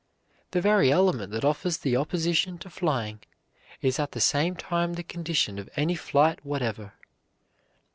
The very element that offers the opposition to flying is at the same time the condition of any flight whatever.